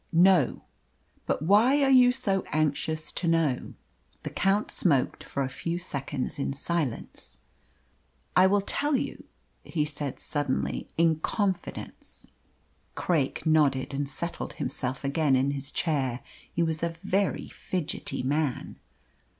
"No. But why are you so anxious to know?" The Count smoked for a few seconds in silence. "I will tell you," he said suddenly, "in confidence." Craik nodded, and settled himself again in his chair. He was a very fidgety man.